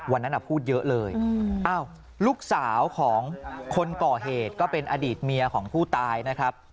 วันนั้นพูดเยอะเลยลูกสาวของคนก่อเหตุก็เป็นอดีตเมียของผู้ตายนะครับ